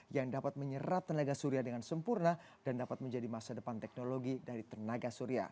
yang dapat menyerap tenaga surya dengan sempurna dan dapat menjadi masa depan teknologi dari tenaga surya